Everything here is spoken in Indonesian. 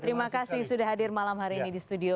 terima kasih sudah hadir malam hari ini di studio